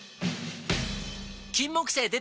金木犀でた！